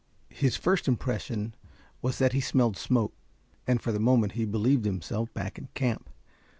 His first impression was that he smelled smoke, and for the moment he believed himself back in camp.